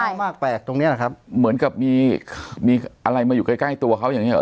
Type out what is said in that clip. มากแปลกตรงเนี้ยแหละครับเหมือนกับมีมีอะไรมาอยู่ใกล้ใกล้ตัวเขาอย่างนี้หรอ